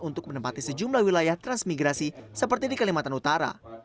untuk menempati sejumlah wilayah transmigrasi seperti di kalimantan utara